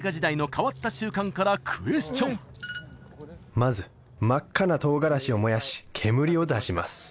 まず真っ赤なトウガラシを燃やし煙を出します